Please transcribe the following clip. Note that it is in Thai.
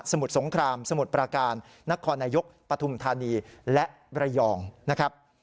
มุดสงครามสมุทรประการนครนายกปฐุมธานีและระยองนะครับ